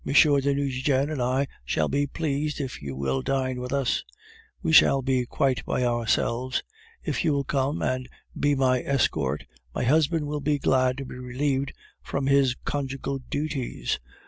de Nucingen and I shall be pleased if you will dine with us; we shall be quite by ourselves. If you will come and be my escort, my husband will be glad to be relieved from his conjugal duties.